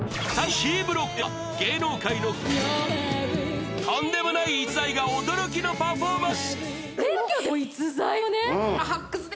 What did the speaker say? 更にＣブロックでは芸能界の隠れ歌うまととんでもない逸材が驚きのパフォーマンス！